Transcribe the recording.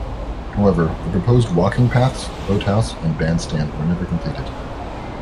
However, the proposed walking paths, boat house, and bandstand were never completed.